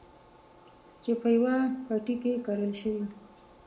چې په يوه پټي کې کرل شوي.